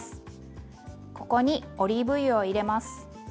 ここにオリーブ油を入れます。